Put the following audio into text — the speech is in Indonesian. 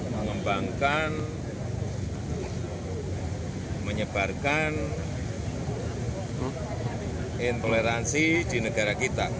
mengembangkan menyebarkan intoleransi di negara kita